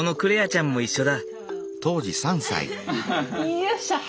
よいしょ！